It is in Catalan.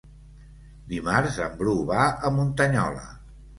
Dimarts en Bru va a Muntanyola.